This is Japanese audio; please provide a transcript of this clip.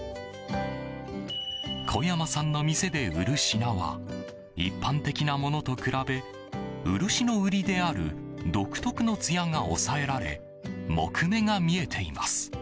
小山さんの店で売る品は一般的なものと比べ漆の売りである独特のつやが抑えられ木目が見えています。